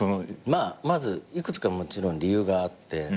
まずいくつかもちろん理由があって。